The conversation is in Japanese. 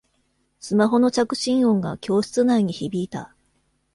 スマホの着信音が教室内に響いた